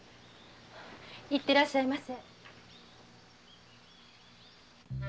行ってらっしゃいませ。